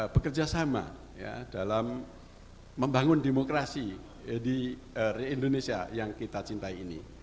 bekerja sama dalam membangun demokrasi di indonesia yang kita cintai ini